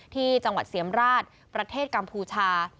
ที่จังหวัดเสียมราชประเทศกัมพูชา